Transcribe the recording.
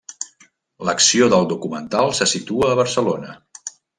L'acció del documental se situa a Barcelona.